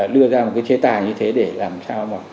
đưa ra một cái chế tài như thế để làm sao mà